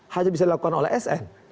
hanya bisa dilakukan oleh sn